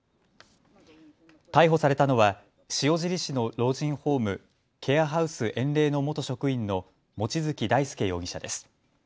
逮捕されたのは塩尻市の老人ホーム、ケアハウスえんれいの元職員の望月大輔容疑者です。